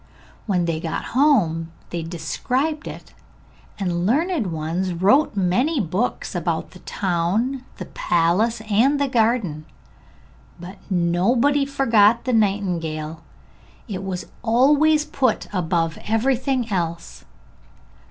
When they got home they described it, and the learned ones wrote many books about the town, the palace and the garden; but nobody forgot the nightingale, it was always put above everything else.